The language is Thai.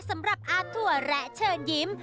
สำหรับอาถั่วและเชิญยิ้ม